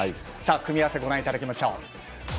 組み合わせ、ご覧いただきます。